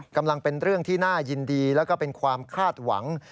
เป็นเรื่องที่น่ายินดีแล้วก็เป็นความคาดหวัง